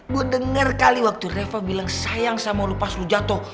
gue denger kali waktu reva bilang sayang sama lo pas lo jatuh